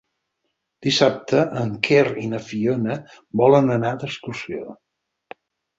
Dissabte en Quer i na Fiona volen anar d'excursió.